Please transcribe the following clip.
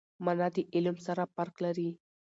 مانا د علم سره فرق لري.